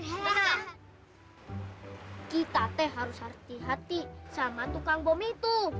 kita teh harus hati hati sama tukang bom itu